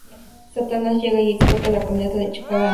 Satanás llega y explota la camioneta de Chicago, matándolo.